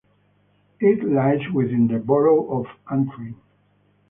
It lies within the Borough of Antrim.